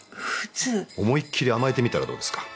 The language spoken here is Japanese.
思いっ切り甘えてみたらどうですか？